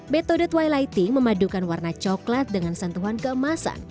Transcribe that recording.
metode twilighting memadukan warna coklat dengan sentuhan keemasan